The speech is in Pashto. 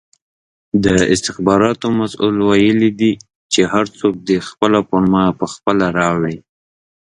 د استخباراتو مسئول ویلې دي چې هر څوک دې خپله فرمه پخپله راوړي!